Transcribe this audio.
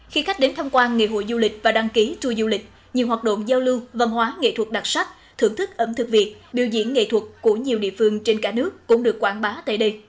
khi khách đến tham quan ngày hội du lịch và đăng ký tour du lịch nhiều hoạt động giao lưu văn hóa nghệ thuật đặc sắc thưởng thức ẩm thực việt biểu diễn nghệ thuật của nhiều địa phương trên cả nước cũng được quảng bá tại đây